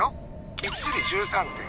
きっちり１３．５度！